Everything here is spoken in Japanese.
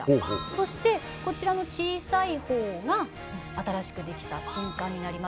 そしてこちらの小さい方が新しく出来た新館になります。